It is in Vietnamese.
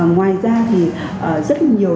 ngoài ra thì rất nhiều